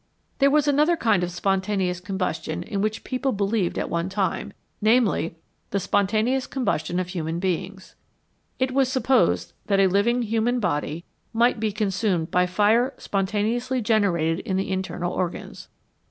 There was another kind of spontaneous combustion in which people believed at one time, namely, the spon taneous combustion of human beings. It was supposed that a living human body might be consumed by fire spontaneously generated in the internal organs.